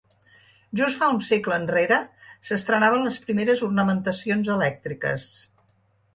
Just fa un segle enrere s’estrenaven les primeres ornamentacions elèctriques.